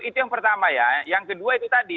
itu yang pertama ya yang kedua itu tadi